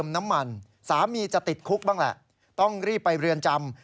น้ำมันสามีจะติดคุกบ้างแหละต้องรีบไปเรือนจำ